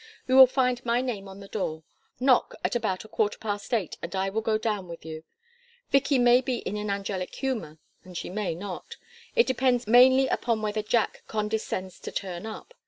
You will find my name on the door. Knock at about a quarter past eight and I will go down with you. Vicky may be in an angelic humor and she may not. It depends mainly upon whether Jack condescends to turn up.